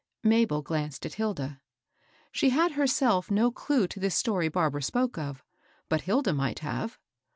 Mabel glanced at Hilda. She had herself no clue to this story Barbara spoke of, but Hilda migb have.